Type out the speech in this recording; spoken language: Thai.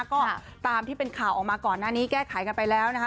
ก็ตามที่เป็นข่าวออกมาก่อนหน้านี้แก้ไขกันไปแล้วนะคะ